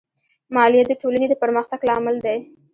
مالیه د ټولنې د پرمختګ لامل دی.